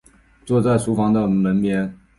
坐在厨房的门边